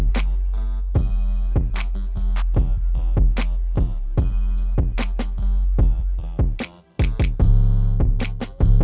gapapa aku berterus sejam yang lalu masih ngantuk